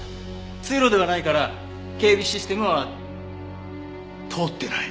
通路ではないから警備システムは通ってない。